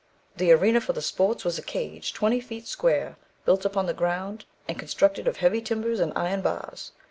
"The arena for the sports was a cage, twenty feet square, built upon the ground, and constructed of heavy timbers and iron bars.